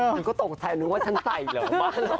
อ๋อฉันก็ตกใจนึกว่าฉันใส่หรือเปล่า